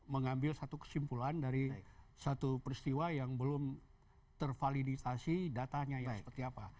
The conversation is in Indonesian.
mengambil satu kesimpulan dari satu peristiwa yang belum tervalidisasi datanya itu seperti apa